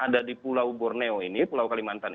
ada di pulau borneo ini pulau kalimantan